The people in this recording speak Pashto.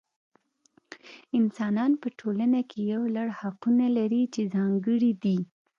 انسانان په ټولنه کې یو لړ حقونه لري چې ځانګړي دي.